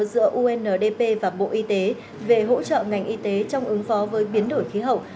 giữa undp và bộ y tế về hỗ trợ ngành y tế trong ứng phó với biến đổi khí hậu